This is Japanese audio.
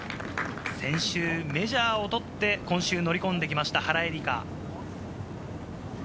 先週メジャーを取って、今週乗り込んできました、原英莉花。